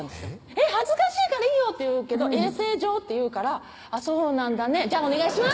「恥ずかしいからいいよ」って言うけど「衛生上」って言うから「そうなんだねじゃあお願いします！」